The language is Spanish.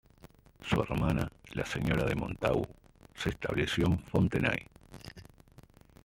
Su hermana, la señora de Montagu, se estableció en Fontenay.